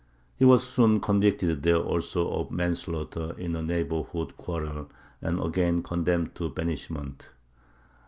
He was soon convicted there also of manslaughter in a neighborhood quarrel, and again condemned to banishment.